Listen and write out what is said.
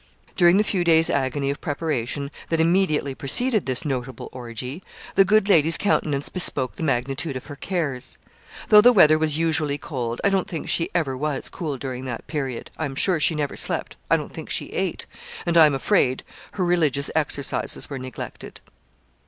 During the few days' agony of preparation that immediately preceded this notable orgie, the good lady's countenance bespoke the magnitude of her cares. Though the weather was usually cold, I don't think she ever was cool during that period I am sure she never slept I don't think she ate and I am afraid her religious exercises were neglected.